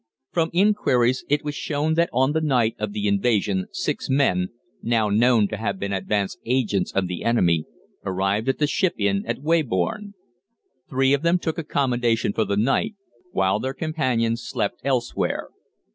From inquiries it was shown that on the night of the invasion six men, now known to have been advance agents of the enemy, arrived at the Ship Inn, at Weybourne. Three of them took accommodation for the night, while their companions slept elsewhere.